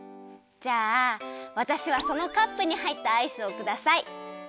じゃあわたしはそのカップにはいったアイスをください。